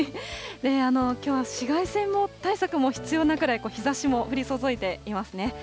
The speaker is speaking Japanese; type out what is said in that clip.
きょうは紫外線対策も必要なくらい、日ざしも降り注いでいますね。